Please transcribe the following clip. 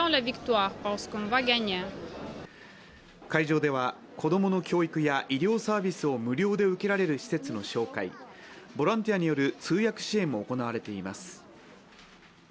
会場では子供の教育や医療サービスを無料で受けられる施設の紹介、ボランティアによる通訳支援も行われています。